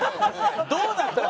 どうなったら？